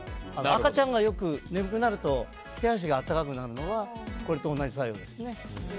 赤ちゃんがよく眠くなると手足が温かくなるのがこれと同じ作用ですね。